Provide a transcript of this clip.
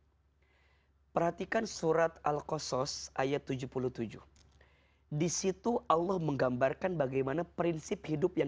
hai perhatikan surat al qasas ayat tujuh puluh tujuh disitu allah menggambarkan bagaimana prinsip hidup yang